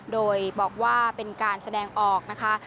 โดยบอกว่าเป็นการแสดงออกนะคะ